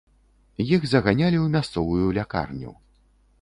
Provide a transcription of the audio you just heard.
Іх заганялі ў мясцовую лякарню.